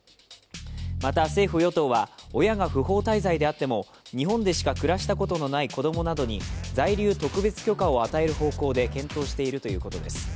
また政府・与党は、親が不法滞在であっても、日本でしか暮らしたことのない子供などに在留特別許可を与えることで見当しているということです。